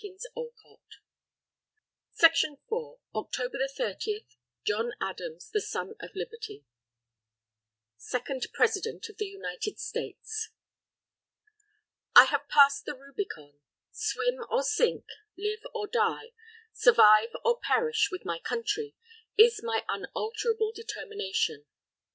William Roscoe Thayer (Condensed) OCTOBER 30 JOHN ADAMS THE SON OF LIBERTY SECOND PRESIDENT OF THE UNITED STATES _I have passed the Rubicon: swim or sink, live or die, survive or perish with my Country, is my unalterable determination.